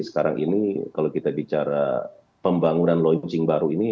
sekarang ini kalau kita bicara pembangunan launching baru ini